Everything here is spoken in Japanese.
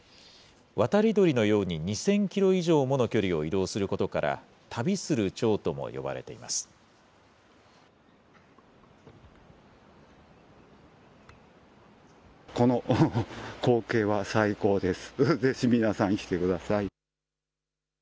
渡り鳥のように２０００キロ以上もの距離を移動することから、旅するチョウとも呼ばれています。